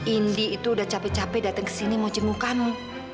indi itu udah capek capek datang ke sini mau jenguk kamu